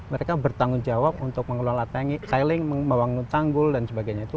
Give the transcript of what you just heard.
mereka bertanggung jawab untuk mengelola tiling membangun tanggul dan sebagainya itu